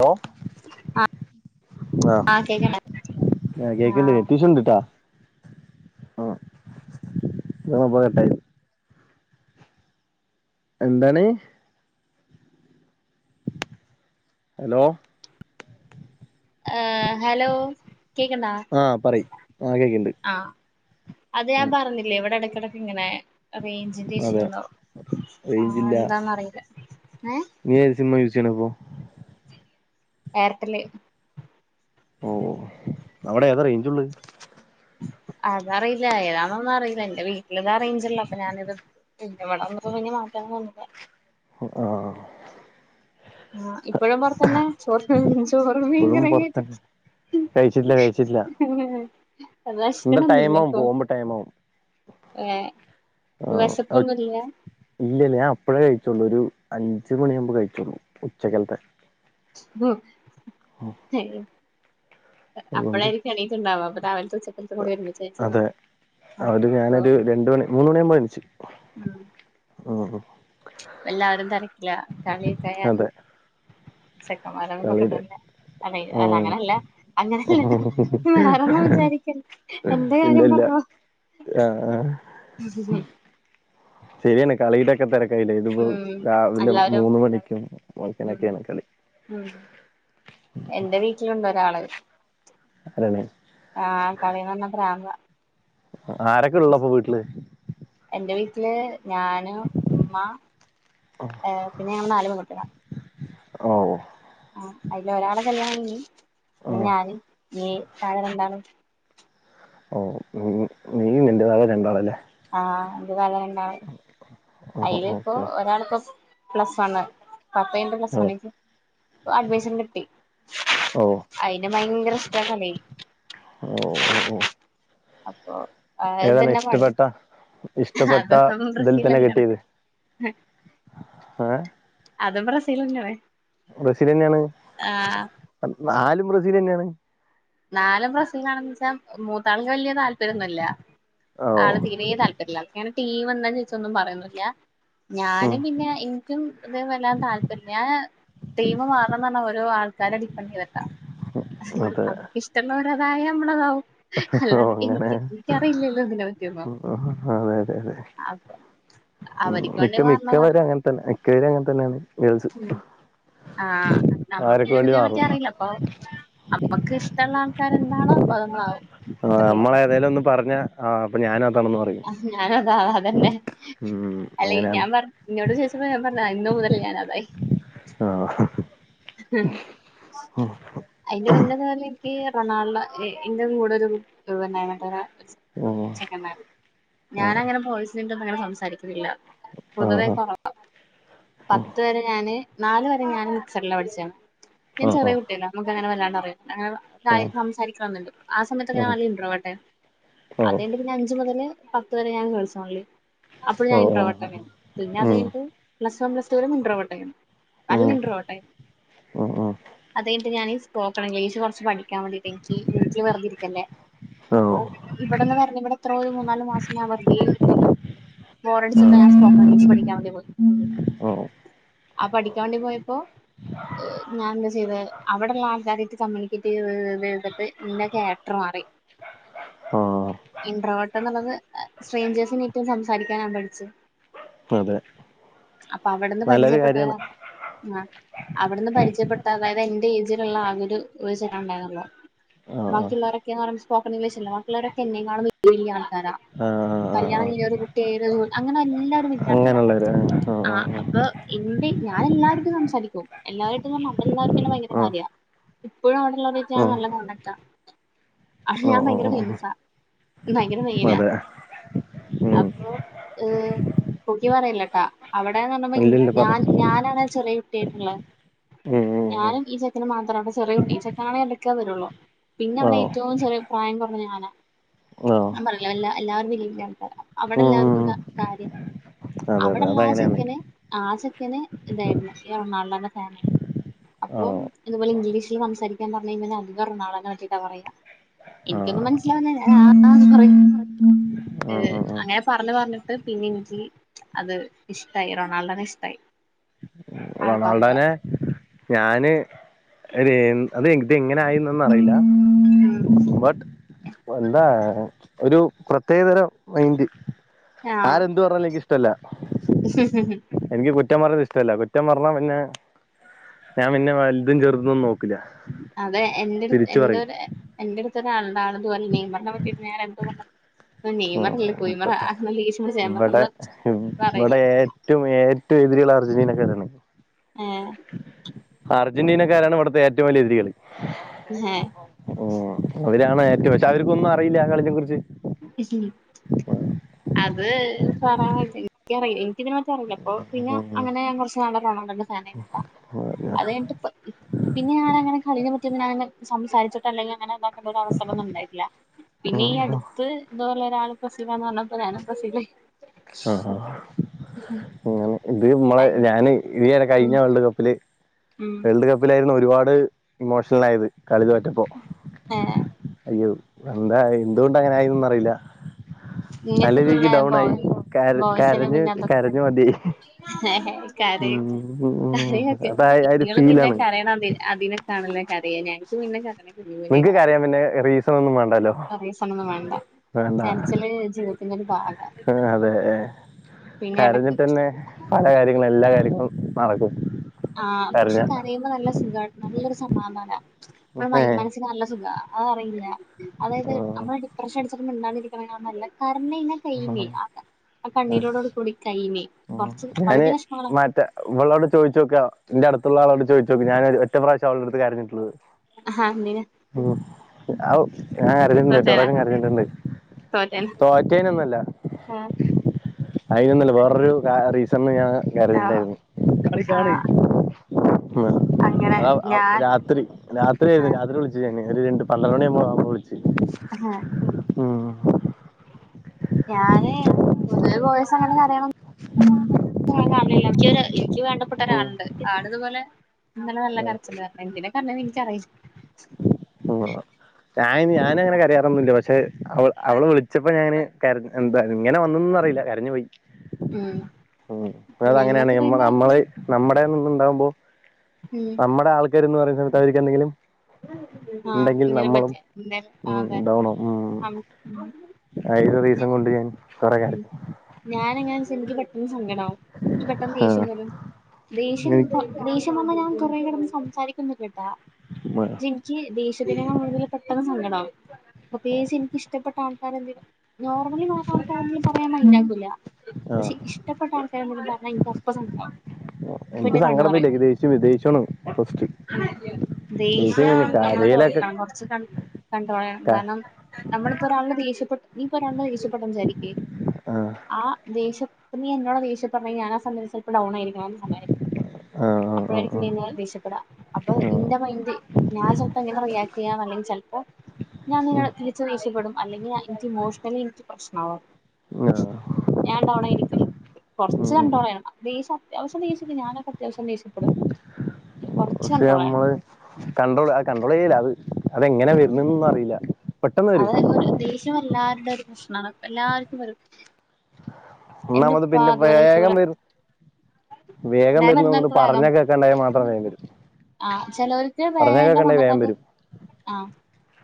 Law ആഹ് ആ കേക്ക്ണ്ട് നെറ്റിഷ്യൂണ്ട്ട്ടാ ആഹ് ഞാൻ ന്നാ പോയരട്ടെ എന്താണ് ഹലോ ഏ ഹലോ കേക്കണ്ടാ ആഹ് പറയ് ആഹ് കേക്ക്ണ്ട് ആ അത് ഞാൻ ഉം പറഞ്ഞില്ലേ ഇവിടെ എടക്കെടക്ക് ഇങ്ങനാ റേഞ്ചിൻ്റെ അതെ ഇഷ്യുണ്ടാവും ആ റേഞ്ചില്ല എന്താെന്നറിയില്ല ഏഹ് നീ ഏത് സിമ്മാ യൂസെയ്ണിപ്പോ ഏർടെല് ഓഓ അവിടെ ഏതാ റേഞ്ച് ഉള്ളത് അതറിയില്ല ഏതാണൊന്നും അറിയില്ല എന്റെ വീട്ടില് ഇതാ റെയിഞ്ച്ള്ളെ അപ്പൊ ഞാനിത് പിന്നവടെ വന്നപ്പൊ പിന്നെ മാറ്റാ തോന്ന്ല്ല ഉം ആഹ് ആ ഇപ്പഴും പുറത്തന്നെ ചോറ് ചോറും മീങ്കറ്യും കയിച്ചിട്ട് കയിച്ചില്ല കയിച്ചില്ല അന്നാഷീണൊന്നില്ലെപ്പൊ പോകുമ്പോ ടൈമാവും ഏഹ് വെശപ്പൊന്നുംല്ല്യ ഇല്ലല്ല ഞാൻ അപ്പഴേ കഴിച്ചൊളൂ ഒരു അഞ്ച് മണിയാമ്പൊ കയിച്ചോള്ളൂ ഉച്ചക്കൽത്തെ ഉം ഏ അതുകൊണ്ട് അപ്പഴായിരിക്കും എണീറ്റുണ്ടാവ അപ്പൊ രാവിലത്തെ ഉച്ചക്കലത്തെ കൂടി ഒരുമിച്ച് കഴിച്ചതാ അതെ അവര് ആഹ് ഞാനൊരു അപ്പൊ രണ്ട് മണി മൂന്ന് മണിയാവുമ്പോ എണിച്ച് ഓഹ് ഓഹ് എല്ലാരും തെരക്കില കളിക്കെയ്യാരെ അതെ ചെക്കമാരോന്നും കളിടെ കിട്ട്ണില്ല അതെയ് അല്ല ഉം അങ്ങനെല്ല അങ്ങനെല്ലട്ടോ വേറൊന്നും വിചാരിക്കല്ലെ എന്റെ കാര്യം പറ്ഞ്ഞത ആഹ് ആഹ് [inaudible] ശരിയാണ് കളിയുടെക്കെ തെരക്കായിട്ടേയ് ഇതിപ്പോ ഉം രാവിലെ എല്ലാവരും മൂന്ന് മണിക്കും ഉം പൊല്ച്ചൊക്കെക്കെണ് കളി ഉം എന്റെ വീട്ടിലുണ്ടോരാള് അതെലെ ആഹ് കളിന്നറ്ഞ്ഞാ പ്രാന്താ അപ്പൊ ആരക്കെള്ള പ്പൊ വീട്ടില് എന്റെ വീട്ടില് ഞാന് ഉമ്മ പിന്നെ ഞങ്ങൾ നാലു പെൺ കുട്ട്യാളാ ഓഹ് ആഹ് അയില് ഒരാളെ കല്യാണം കയിഞ്ഞ് ആ ഇനി ഞാൻ ഇഞ്ഞി താഴെ രണ്ടാള് ഓഹ് നീ നീയും നിന്റെതാഴെ രണ്ടാളല്ലേ ആഹ് ന്റെ താഴെ രണ്ടാള ഓ അയില്പ്പൊ ഓക്കെ ഒരാള്പ്പൊ പ്ലസ് പ്ലസ് വണ്ണ് പത്തയ്ഞ്ഞിട്ട് പ്ലസ് ഓ വൺക്ക് ഇപ്പ അഡ്മിഷന് കിട്ടി ഓ അയ്ന് ഭയങ്കര ഇഷ്ടാ കളി ഓഹ് ഓഹ് ഓഹ് അപ്പോ ഏതാണ് ഇഷ്ടപ്പെട്ട ഇഷ്ടപ്പെട്ട അതും തിൽ തന്നെ ബ്രസീലന്നെണ് കിട്ടീത് ഏഹ് അതും ബ്രസീലെനെണ് ബ്രസീലെനെണ് നാലും ബ്രസീലെനെണ് നാലും ബ്രസീലാണെന്നെച്ചാ മൂത്ത് ആൾക്ക് വല്യതാല്പര്യന്നുല്ല്യ ഓ ആള് തീരെ താല്പര്യല്ല്യ ങ്ങനെ ടീമെന്ന ചോയ്ച്ചാ ചോന്നും പറയൊന്നുല്ല്യ ഉം ഞാന് പിന്നെ എനിക്കും ഇത് വല്ലാതെ താല്പര്യല്ല ഞാന് ടീം മാറണംന്നറ്ഞാല് ഓരോ ആൾക്കാരെ ഡിപന്റ് ചെയ്തിട്ടാ അതെ ഇഷ്ടള്ളവരതായ നമ്മളതാവും ഓ അല്ലാണ്ട് എനിക്ക് എനിക്കറിയില്ലല്ലോ തിനെ പറ്റിയൊന്നും ആഹ് ആഹ് ആഹ് അതെ അതെ അതെ അപ്പൊ ഉം അവര്ക്ക് വേണ്ടി മിക്ക മാറണതാണ് മിക്കവരും അങ്ങന് എക്കേര് അങ്ങന് തന്നെണ് ഉം ആഹ് നമ്മുക്ക് അവരൊക്കെ വേണ്ടി അതിനേ പറ്റി മാറും അറീല അപ്പൊ നമുക്ക് ഇഷ്ടള്ള ആൾക്കാാരെന്താണോ അപ്പതമ്മളാവും ആഹ് നമ്മള് എതേലും ഒന്ന് പറഞ്ഞ ആഹ് അപ്പൊ ഞാനതാണന്ന് പറയും ആഹ് ഞാനു അതാ അതന്നെ ഉം അല്ലെയ് അങ്ങനെയാണ് ഞാൻ പറ്ഞ്ഞു ഇന്നോട് ചോയ്ച്ചാ ഞാൻ പറ്ഞ്ഞു ഇന്ന് മുതൽ ഞാനതായീ ആഹ് ഉം അതിന്റെ മുന്നേ നിക്ക് റൊണാൾഡോ എ ഇന്റെ കൂടെ ഒരു കുട്ടി റൊണാൾഡഫാനാ ഓ ചെങ്ങായ്‌മാര് ആ ഞാനങ്ങനെ ബോയിസിന്റെ അടുത്തൊന്നും അങ്ങനെ സംസാരിക്കുന്നില്ല പൊതുവേ ആ കൊറവാ ഓ പത്ത് വരെ ഞാന് നാല് വരെ ഞാന് മിക്സറില പഠിച്ചെ ഞാൻ ഓ ഓ ചെറിയ ഓ കുട്ടിയല്ലേ അന്നക്ക ങ്ങനെ വല്ലാണ്ട് അറിയല്ല ഏഹ് സംസാരിക്കണന്ന്ണ്ട് ആ സമയത്തൊക്ക ഞാൻ നല്ല ഇൻഡ്രോവേട്ടായ്രുന്നു. ഓ ഓ അതയിഞ്ഞിട്ട് പിന്നെ അഞ്ചു മുതല് പത്ത് വരെ ഞാൻ ഗേൾസ് ഓൺലി അപ്പഴും ഓ ഞാൻ ഓ ഇൻഡ്രോവേട്ടന്നേണ്. പിന്നത് ഉം കഴിഞ്ഞിട്ട് പ്ലസ് വൺ പ്ലസ് റ്റൂ വിലും ഇൻഡ്രോവേട്ടേയ്ന്നും. നല്ല ഉം ഇൻഡ്രോ ട്ടായ്ന്നു. ഉം അത് കഴിഞ്ഞിട്ട് ഞാന് സ്പോക്കൺ ഇംഗ്ളിഷ് കൊറച്ച് പഠിക്കാൻ വേണ്ടിയിട്ടി വീട്ടീ വെർതെ ഇരിക്കെല്ലേ ഉം അപ്പോ ഓ ഇവടന്ന് വര്നെ ഇവടെ ത്രം ഒരു മൂന്നാല് മാസം വെറ്തേ ഇരിക്കലായിരുന്നു. ബോറടിച്ചിട്ടാ ഞാൻ സ്പോക്കൺ ഇംഗ്ലീഷ് പഠിക്കാൻ വേണ്ടി പോയി. ഓ അ പഠിക്കാൻ വേണ്ടി പോയപ്പോ ഞാനെന്താ ചെയ്തേ അവിടെള്ള ആൾക്കാരെയ്റ്റ് കമ്മ്യൂണികേറ്റയ്ത് ചെയ്ത് ചെയ്ത്ട്ട് ഇന്റെ ക്യാരക്റ്ററ് മാറി. ബൗ ബൗ ഇൻട്രോവേട്ട് ന്ന്ള്ളത് സ്രേഞ്ചേഴ്സിന് ഏറ്റവും സംസാരിക്കാനാവും പഠിച്ച്. അതെ. അപ്പൊ അവിടെന്ന് നല്ലൊരു കാര്യാണ് പരിചയപ്പെട്ടവരാ ആഹ് അവിടുന്ന് പരിചയപ്പെട്ട അതായത് എന്റെ ഏജിലുള്ള ആ ഒരു ഒരു [unintelligible] ഉണ്ടായിരുന്നൊള്ളു. ആ ആ ബാക്കിള്ളവരൊക്കെ ന്ന് പറയുമ്പം സ്പോക്കണിഗ്ലീഷല്ലെ ബാക്കിള്ളോരൊക്കെ എന്നെക്കാളും വലിയ വലിയ ആൾക്കാരാ. ആ ആ ആ കല്യാണംകഴിഞ്ഞ് ഒരു കുട്ടിയായോരും അങ്ങനെ എല്ലാരും വല്ല്യആൾക്കാരാ. അങ്ങനെയുള്ളവര് ആ ആ ആഹ് അപ്പ ഇണ്ട് ഞാനെല്ലാരു ആയ്റ്റും സംസാരി ക്കും. എല്ലാരു ആയ്റ്റുംന്ന് പർഞാ അവിടെള്ളെല്ലാർക്കും ഇന്നെ ഭയങ്കര ആ ആ കാര്യാ. ഇപ്പഴും അവ്ടെള്ളോരെയ്റ്റ് ആ ഞാൻ നല്ല ഓ കോൺടാക്റ്റാ. അവ്ടെ ഓ ഞാൻ ഭയങ്കര ഓ ഓ ഫെയ്മസാ ഭയങ്കര മെയ്നാ. അതെ ഉം അപ്പൊ എഹ് പൊക്കി പറയല്ലെട്ടാ. അവിടെന്ന് പർഞുമ്പം ഇല്ലില്ല ഞാൻ പറഞ്ഞോ ഞാനാണ് ചെറിയ കുട്ട്യായ്ട്ടിള്ളത്. ഉം ഞാനും ഈ ചെക്കനും മാത്രാണ് അവ്ടെ ചെറ്യേക്കുട്ടി. ഈ ചെക്കനാണേ എടക്കേ വെരൊളളൂ. പിന്നെ ഉം ഉം അവിടെ ആഹ് ഏറ്റവും ചെറിയ പ്രായം കുറഞ്ഞത് ഞാനാ. ആഹ് ഞാൻ പറയല്ല എല്ലാ എല്ലാവരും വലിയ വലിയ ആൾക്കാരാ. അവിടെ ഉം എല്ലാർക്കും ഉം ക കാര്യാ. അതെ അതെ അവടെള്ളാ അതങ്ങനെയാണ് ചെക്കന് ആ ചെക്കന് ഇതായിരുന്നു റൊണാൾഡോൻ്റെ ഫേനാണ്. അപ്പൊം ആഹ് ഇത്പോലെ ഇംഗ്ലീഷില് സംസാരിക്കാൻ പറഞ്ഞ്യ്ഞാ അധികം റൊണാൾഡോനെ പറ്റീട്ടാ പറയാ. ഇനിക്കൊന്നും ആഹ് മനസ്സിലാവുന്നില്ല ഞാൻ ആഹ് ന്ന് പറയും. ഉം ഏഹ് ഉം ഉം അങ്ങനെ പറഞ്ഞ് പറഞ്ഞിട്ട് പിന്നെ ഇൻക്ക്യ് അത് ഇഷ്ടായി റൊണാൾഡനെ ഇഷ്ടായി. ആള് പറഞ്ഞത് റൊണാൾഡോനെ ഞാന് ഒരേൻ, അത് ഇത് എങ്ങനായിന്നാ ന്നറീല ബട്ട് എന്താ ഒരു പ്രത്യേകതരം മൈന്റ്. ആഹ് ആരെ ന്ത് പറഞ്ഞാലും ഇൻക്കിഷ്ടല്ല. എനിക്ക് കുറ്റം പറയ്ന്നത് ഇഷ്ടല്ല. കുറ്റം പറഞ്ഞാപിന്നെ ഞാൻ പിന്നെ വല്തും ചെറ്തും നോ അതെ എന്റെട് എൻ്റൊരെ എന്റെ അടുത്തൊരാള്ണ്ട്. ആള് ഇതു പോലെ നെയ്മർനെ പറ്റിയിട്ട് ഞാൻ എന്തോ പറഞ്ഞ പ്പം നെയ്മറല്ല കുയ്മറാ [unintelligible] ഇവടെ നമ്മള് ഇവടെ പറയില്ലേ ഏറ്റവും ഏറ്റവും എതിര്ള്ള അർജന്റീനക്കാരാണ്. ഏഹ്. അർജന്റീനക്കാരാണ് ഇവട്ത്തെ ഏറ്റവും വല്യ എതിര്കള്. ഹേ അവരാണ് ഏറ്റവും പക്ഷെ അവർക്കൊന്നും അറിയില്ലാ കളിനെ കുറിച്ച്. ഇജല [inaudible] [inaudible] അത് പറയാൻ [unintelligible] എനിക്കറിയില്ല. എനിക്കിതിനെ പറ്റി അറിയില്ല. ഇപ്പൊ പിന്നെ ഉം. അങ്ങനെ ഞാൻ കുറച്ച് നാൾ റൊണാർഡോൻ്റെ ഫാനായി. ഉം. അത് കയ്ഞ്ഞ്ട്ട് പ്പ് ഉം പിന്നെ ഞാന അങ്ങനെ കളിനേ പറ്റി പിന്നെ അങ്ങനെ സംസാരിച്ചിട്ട് അല്ലങ്കിൽ അങ്ങനെ ഇതാക്കണ്ട ഒരു അവസരംന്നും ഇണ്ടായിട്ടില്ല. പിന്നെ ഈ അട് ത്ത് ഇന്നപോലെ ഞാനും പ്രസീലാന്ന് പർഞ്ഞപ്പം ഞാനും പ്രസീലായി അങ്ങനെ ഉം ഇത് മ്മളെ ഞാന് [unintelligible] കഴിഞ്ഞ ഉം വേൾഡ് കപ്പില് ഉം വേൾഡ് കപ്പിലായിരുന്നു ഒരുപാട് ഇമോഷണലായത് കളി തോറ്റപ്പോ. ഏഹ് അയ്യോ എന്തായി എന്തുകൊണ്ട് അങ്ങനെ ആയിന്ന് അറിയില്ല. നല്ല ഇങ്ങക്ക് രീതിക്ക് പിന്നെ ഡൗൺ ആയി ബോയ് കര് ബോയ്സിന് കരഞ്ഞ് പിന്നെ കരഞ്ഞ് മതിയായി. അതൊക്കെ കര ഉം ഉം അതായാല് ഫീലാണ് [unintelligible] അതിനക്കാണല്ലെ കരീനേ ഇൻക്ക് പിന്നെ ക നിങ്ങക്ക് കരയ പിന്നെ റീസണ് ഒന്നും വേണ്ടാലോ. ആ റീസണന്നും വേണ്ട കരച്ചില് ജീവിതത്തിന്റെ ഒരു ഭാഗ. ആ അതെ ഏഹ് കരഞ്ഞിട്ടന്നെ പല കാര്യങ്ങളും എല്ലാ കാര്യങ്ങളും നടക്കും. ആ പക്ഷെ കരഞ്ഞ കരയുമ്പോ നല്ല സുഖ നല്ലൊരു സമാധാന നമ്മ മൈ ഏ മനസ്സിന് നല്ല സുഖ. അത അറിയില്ല അതായത് നമ്മള് ഡിപ്രഷ അടിച്ചിട്ട് മിണ്ടാണ്ടിരിക്കണ്നെക്കാളും നല്ലെ കരഞ്ഞയ്ഞ്ഞ കയ്ഞ്ഞ് ആകെ അഹ് കണ്ണീരോടോട് കൂടി കയ്ഞ്ഞ് കൊർച്ച് ഞാന് പകുതി വെഷമങ്ങള മറ്റേ ഇവളോട് ചോയ്ചോക്ക്യ ഇന്റെ അട്ത്ത്ള്ള ആളോട് ചോയ്ചോക്ക്‌ ഞാന് ഒര് ഒറ്റ പ്രാവശ്യം അവളുടെടുത്ത് കരഞ്ഞ് ണ് ആഹ് എന്തിന് ഉം ആ ഔ ഞാ തോറ്റേന കരഞ്ഞിട്ട് തോറ്റേന [unintelligible] ഇക്കയ്നൊന്നല്ല ആഹ് അയിനൊന്നല്ല വേറൊരു ക റീസണ് ഞാ ആഹ് കറിയില്ലായ്രുന്നു കളി കാണ് ആഹ് അങ്ങനെ [unintelligible] ഔ ഔ ഞാൻ രാത്രി രാത്രി ആയിരുന്നു ആഹ് രാത്രി വിളി [unintelligible] ഒരു രണ്ട് പന്ത്രണ്ടണി ആവുമ്പം ബാങ്ക് വിളിച്ച് ഏഹ് ഉം [unintelligible] കാൺലില്ല ഇൻക്കി ഒര ഇൻക്കി വേണ്ടപ്പെട്ട ഒരാള്ണ്ട് ആ ആള് ഇതുപോലെ ഇന്നലെ നല്ല കരച്ചിലായിരുന്നു എന്തിനാ കര്ഞ്ഞേന്ന് ഇൻക്കറിയില്ല. ഉം ആ ഞാ അയിന് ഞാനങ്ങനെ കരയാറൊന്നില്ല പക്ഷെ അവ അവള് വിളിച്ചപ്പം ഞാൻ അങ്ങനെ കര്ഞ്ഞ് എന്തായാലും ഇങ്ങനെ വന്നന്ന്റിയില്ല കരഞ്ഞു പോയി. ഉം ഉം അതങ്ങനെയാണേ ഞങ്ങക്ക് നമ്മള പിന്നെ നമ്മള് നമ്മുടെന്ന്ന്ന് ഇണ്ടാവുമ്പോ ഉം നമ്മടെ ആൾക്കാര് എന്ന് പറയുന്നത് [unintelligible] എന്തങ്കിലും ആ ഇന്നേരം പറ്റിയ ഇന്നേരം ആ ഉം അതെ ഡൗണാവും ഉം അം ഉം [unintelligible] റീസൺ കൊണ്ട് ഞാൻ കൊറെ ഉം കരഞ്ഞു ഞാനങ്ങനാച്ച എനിക്ക് പെട്ടെന്ന് സങ്കടാവും എനിക്ക് പെട്ടെന്ന് ദേഷ്യം വരും. ദേഷ്യം എനിക്ക് ദേഷ്യം വന്ന് ഞാൻ കൊറെ കടന്ന് സംസാരിക്കുന്നു കേട്ടാ. മരാ ഇൻക്കി ദേഷത്തിനേക്കാളും കൂടുതൽ പെട്ടെന്ന് സങ്കടാവും. പ്രത്യേകിച്ച് ഇൻക്കിഷ്ടപ്പെട്ട ആൾക്കാരെ എന്തേലും നോർമലി [unintelligible] [unintelligible] പറയാൻ മൈഡാക്കുല്ല ആ പക്ഷെ ആ, ഇഷ്ടപ്പെട്ട ആൾക്കാരും കൂടുതൽ പർഞ്ഞ എനിക്ക് അപ്പ സങ്കടാവും. അപ്പ എനിക്ക് എന്റെ കണ്ണ് സങ്കടം വരില്ല എനിക്ക് ദേഷ്യം വെരും ദേഷ്യാണ് ഫസ്റ്റ്. [unintelligible] ചേച്ചിങ്ങനെ കരയിലൊക്കെ കൊർച്ച് ക കൺട്രോളയ്യണം ക കാരണം നമ്മള്പ്പോ ഒരാളോട് ദേഷ്യപ്പെട്ട് നീ ഇപ്പോ ഒരാളോട് ദേഷ്യപ്പെട്ടന്ന് വിചാരിക്ക് ആഹ് ആ ദേഷ്യം എന്നോട് ദേഷ്യ പറ ഞാൻ ആ സമയത്ത് ഡൗൺ ആയിരിക്കണം സ ആഹ് ആഹ് അപ്പോഴായിരിക്കും ആഹ് നീന്ന് ദേഷ്യപ്പെടാ അപ്പൊ ആഹ് ആഹ് ഇന്റെ മൈൻഡ് ഞാൻ ചൽപ്പം എങ്ങനെ റിയാക്ട് ചെയ്യാൻല്ലെങ്കി ചിലപ്പോ ഞാൻ ന തിരിച്ച ദഷപ്പെും അല്ലെങ്കിൽ എനിക്ക് ഇമോഷണലി എനിക്ക് പ്രശ്നാവും ഉം ആഹ് ഞാൻണ്ടവടെ ഇരിക്കില്ല ഉം കൊറച്ച് ഉം ഉം കണ്ടോളയാണ് അത് ഈ ഔഷധീത് ഞാനക്കത്ത അത്യാവശ്യം ദേഷ്യപ്പെ പക്ഷ ചെയ്യണം നമ്മള് കണ്ട്രോൾ ആ കണ്ട്രോൾ ചെയ്യല അത് അതെങ്ങനെ ഉം വരണൊന്നും അറിയില്ല പെട്ടെന്ന് വരും അത് ഒരു ദേഷ്യം എല്ലാവരുടെ ഒരു പ്രശ്നാണ് എല്ലാവർക്കും വരും എന്റെ എന്നാമത് ഉപ്പ പിന്നെ അതുപോലെ പ്രായകം ഇതുപോലെ വരും വേഗം ഞാൻ വരുന്ന നമ്മ വരുന്നവർക്ക് പറഞ്ഞാ കേൾക്കാണ്ടായാൽ മാത്രം വരും ആഹ് ചിലവർക്ക് പറഞ്ഞാ വേഗം കേൾക്കാണ്ടായാൽ വന്നിട്ട് വേഗം അത് വരും ആഹ്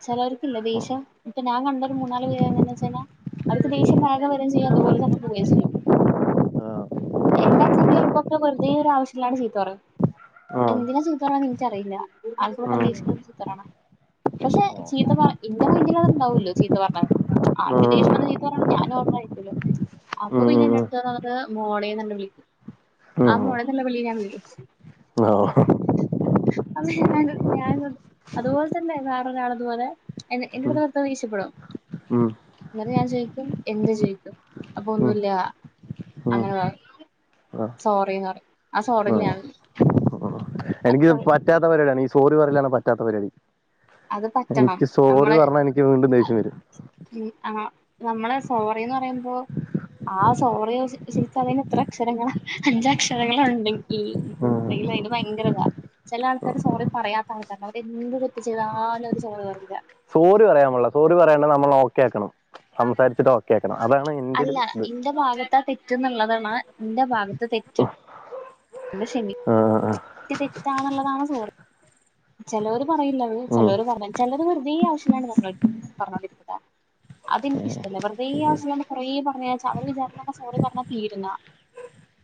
ചിലവർക്ക്ല്ല ദേഷ്യം ഇപ്പ ഞാൻ കണ്ട ഒരു മൂന്നാല് പേര് എനെയ വെച്ച കിഞ്ഞാ അവർക്ക് ദേ്യ വേഗ വര ചെയ്യ അതുപോലെന്നെ [unintelligible] ആഹ് എന്നച്ചെ ഇപ്പൊക്കെ വെറുതേ ഒരു ആവശ്യല്ലാണ്ട് ചീത്തോറ ആഹ് എന്തിനാ ചിത്തറന്ന് എനിക്കറിയില്ല ആൾക്ക് പൊട്ടം ദേ ചുത്തറണ പക്ഷെ ചീത്ത പറ എന്റെ മൈന്ഡിലടെ ഉണ്ടാവല്ലോ ചീത്ത പറഞ്ഞാ ഉം ആക്കെ ഉം ദേശ്യയംവന്ന ചീത്താ പറഞ്ഞ ഞാനും ഓർമ രിക്കല്ലോ അപ്പൊ പിന്നെ എന്റെ ഉം അടുത്ത വന്ന്ട്ട് മോളേന്ന് വിളിക്ക് ഉം ആ ഉം മോള ഉം നല്ല വിളി ഞാൻ വീയും ആഹ് [unintelligible] ഞാന് അതുപോലെ തന്നെ വേറൊരാളതുപോലെ ഉം എന്റെടുത്ത്ദേഷ്യപ്പെടും ഉം ഇങ്ങെ ഞാൻ ചൊയിക്കും എന്ത് ചൊയിക്കും അപ്പൊ ഉം ഒന്നുല്ല ഉം അങ്ങനെ പറ ആഹ് സോറിന്ന് പറയും ആ സോറിഞ എനിക്ക്ത് പറ്റാത്ത പരിപാടിയാണ് ഈ സോറി പറയലാണ് പറ്റാത്ത പരിപാടി അത് പറ്റണം എനിക്ക് സോറി നമ്മള് പറഞ്ഞാ എനിക്ക് വീണ്ടും ദേഷ്യം വരും ആഹ് നമ്മള് സോറിന്ന് പറയുമ്പോ ആ സോറി ശരിച്ച് അതിന് ഇത്ര അക്ഷരങ്ങളാ അഞ്ച അക്ഷരങ്ങളുണ്ടങ്കി ഇല്ല അതിന് ഭയങ്കര ഇതാ ചില ആൾക്കാർ സോറി പറയാത്ത ആൾക്കാര അവരെന്ത് ചെയ്താലും ഒരു സോറി പറില്ല സോറി പറയാൻ പുള്ള സോറി പറയയാണണ്ടെിൽ നമ്മൾ ഓക്കെ ആക്കണം സംസാരിച്ചിട്ട് ഓക്കെ ആക്കണം അതാണ് എന്റെ ഒരു അല്ല ഇത് ഇന്റെ ഭാഗത്താ തെറ്റ എന്നുള്ളതാണ് ഇന്റെ ഭാഗത്ത് തെറ്റ് ആ, ആ, ക്ഷമിക്ക തെറ്റാന്നുള്ളതാണ് സോറി ചിലർ പറയില്ല ഉം, ചിലവര് പറഞ്ഞ ചിലർ വെറുതിയ ആവശ്യല്ലാണ്ട് പറഞ്ഞോണ്ടിരിക്കും അതെനിക്കഷ്ടല്ല വെറുത ആവശ്യല്ലാണ്ട് കുറെ പറഞ്ഞച്ചാ അവര് വിചാരക്കെ സോറി പറഞ്ഞ തീരുന്നാ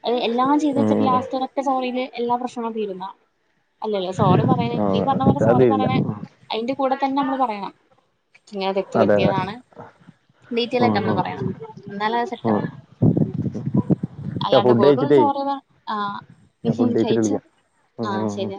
അ എല്ലാം ചെയ്ത ഉം, വെച്ച് ഉം. ലാസ്റ്റ് ഒരറ്റ സോറിൽ എല്ലാ പ്രശ്നങ്ങളും തീരുന്ന അല്ലല്ല സോറി പറയുന്ന ആ, നീ പറഞ്ഞ പോലെ അത് സോറി ഇല്ല പറയണ അതിന്റെ കൂടെ തന്നെ നമ്മള് പറയണം ഇങ്ങനെ തെറ്റ് അതെ അതെ പറ്റിയതാണ് ഡീറ്റെൽ ഉം, ആയിട്ട് നമ്മള് ഉം, പറയണം എന്നാല അത് ഉം. സെറ്റാവൊള്ളൂ ഞാൻ അല്ലാണ്ട് ഫുഡ് വെറും കഴിച്ചിട്ടേ സോറിവ ആ ഞാൻ ഫുഡ് കഴിച്ചിട്ട് കയിച്ച വിളിക്കാം ഉം, ആ ഉം, ഉം. ശരിയ